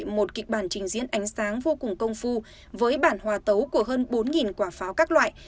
một kịch bản trình diễn ánh sáng vô cùng công phu với bản hòa tấu của hơn bốn quả pháo các loại